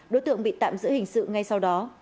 đối tượng bị tạm giữ hình sự ngay sau đó